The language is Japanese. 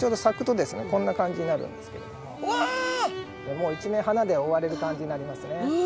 もう一面花で覆われる感じになりますね。